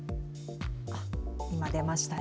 今出ましたね。